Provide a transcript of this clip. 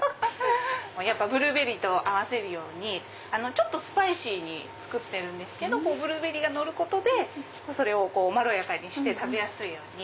ブルーベリーと合わせるようにスパイシーに作ってるけどブルーベリーがのることでまろやかにして食べやすいように。